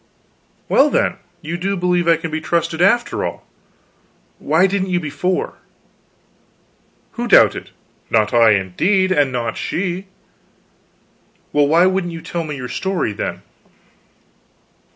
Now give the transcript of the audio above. "Well, then you do believe I can be trusted, after all. Why didn't you before?" "Who doubted? Not I, indeed; and not she." "Well, why wouldn't you tell me your story, then?"